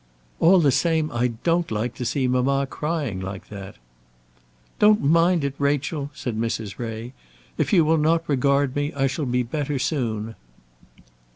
"All the same. I don't like to see mamma crying like that." "Don't mind it, Rachel," said Mrs. Ray. "If you will not regard me I shall be better soon."